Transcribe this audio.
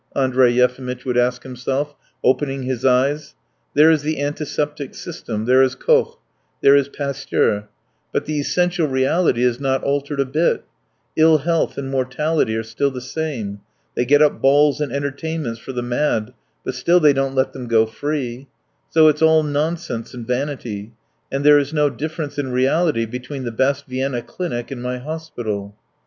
Andrey Yefimitch would ask himself, opening his eyes. "There is the antiseptic system, there is Koch, there is Pasteur, but the essential reality is not altered a bit; ill health and mortality are still the same. They get up balls and entertainments for the mad, but still they don't let them go free; so it's all nonsense and vanity, and there is no difference in reality between the best Vienna clinic and my hospital."